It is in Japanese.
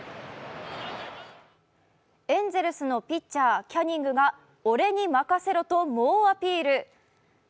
エンゼルスのピッチャー、キャニングが俺に任せろと猛アピール。